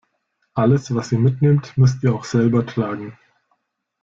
Alles, was ihr mitnehmt, müsst ihr auch selber tragen.